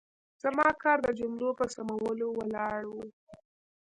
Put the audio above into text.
زما کار د جملو په سمولو ولاړ و.